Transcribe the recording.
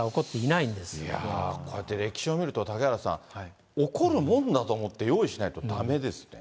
いやー、こうやって歴史を見ると、嵩原さん、起こるもんだと思って用意しないとだめですね。